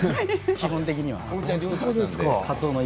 基本的には。